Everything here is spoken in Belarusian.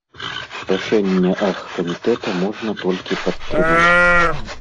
Рашэнне аргкамітэта можна толькі падтрымаць.